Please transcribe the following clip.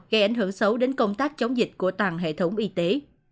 gây ảnh hưởng xấu đến công tác chống dịch của toàn hệ thống y tế